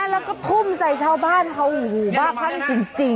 แล้วก็ทุ่มใส่ชาวบ้านเขาโอ้โหบ้าคลั่งจริง